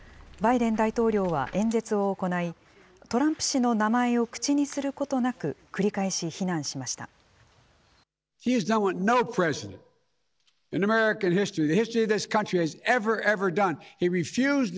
バイデン大統領は演説を行い、トランプ氏の名前を口にすることなく、繰り返し非難しました。